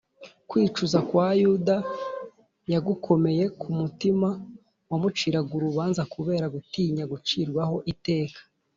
kwicuza kwa yuda yagukomoye ku mutima wamuciraga urubanza kubera gutinya gucirwaho iteka